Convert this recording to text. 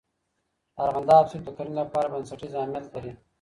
دارغنداب سیند د کرنې لپاره بنسټیز اهمیت لري.